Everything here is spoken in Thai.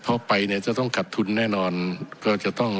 เข้าไปเนี่ยจะต้องขัดทุนแน่นอนก็จะต้อง